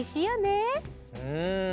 うん。